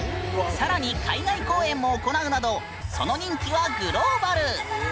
更に海外公演も行うなどその人気はグローバル！